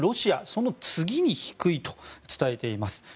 その次に低いと伝えています。